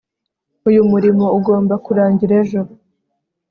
uyu murimo ugomba kurangira ejo